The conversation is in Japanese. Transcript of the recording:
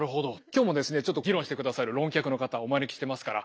今日もですねちょっと議論してくださる論客の方お招きしてますから。